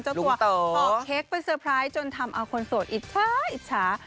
ลุงเต๋อจ้าตัวออกเค้กเป็นเซอร์ไพรส์จนทำเอาคนโสดอิจชา